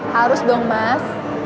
harus dong mas